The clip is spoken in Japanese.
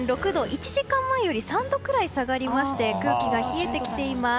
１時間前より３度ぐらい下がりまして空気が冷えてきています。